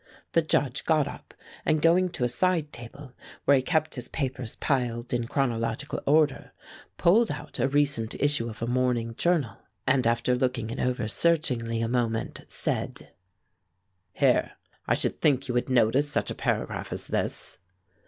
The Judge got up, and going to a side table, where he kept his papers piled in chronological order, pulled out a recent issue of a morning journal, and after looking it over searchingly a moment, said: "Here. I should think you would notice such a paragraph as this."